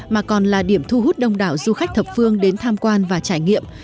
mà còn là điểm thu hút đông đảo du khách thập phương đến tham quan và trải nghiệm